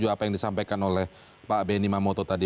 apa yang disampaikan oleh pak benny mamoto tadi